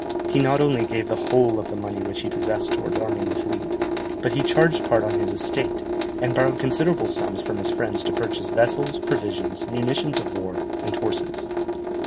He not only gave the whole of the money which he possessed towards arming the fleet, but he charged part on his estate, and borrowed considerable sums from his friends to purchase vessels, provisions, munitions of war, and horses.